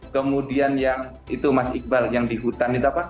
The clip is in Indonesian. kemudian yang itu mas iqbal yang di hutan itu apa